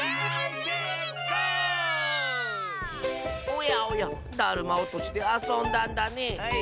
おやおやだるまおとしであそんだんだね。